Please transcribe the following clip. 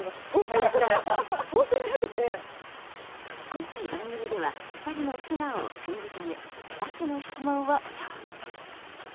今回、番組では２人の素顔を探るため２つの質問を用意。